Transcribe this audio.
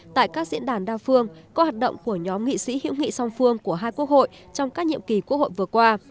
tại các diễn đàn đa phương có hoạt động của nhóm nghị sĩ hữu nghị song phương của hai quốc hội trong các nhiệm kỳ quốc hội vừa qua